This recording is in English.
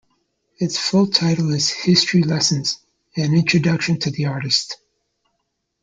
Its full title is "History Lessens - An Introduction to the Artist".